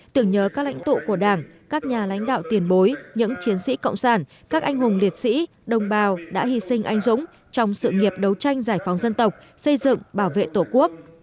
tưởng nhớ các lãnh tụ của đảng các nhà lãnh đạo tiền bối những chiến sĩ cộng sản các anh hùng liệt sĩ đồng bào đã hy sinh anh dũng trong sự nghiệp đấu tranh giải phóng dân tộc xây dựng bảo vệ tổ quốc